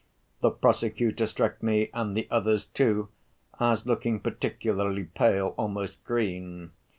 The prosecutor struck me and the others, too, as looking particularly pale, almost green.